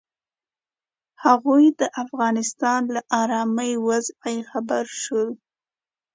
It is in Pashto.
هغوی د افغانستان له ارامې وضعې خبر شول.